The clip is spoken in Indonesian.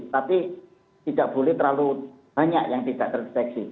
tapi tidak boleh terlalu banyak yang tidak terdeteksi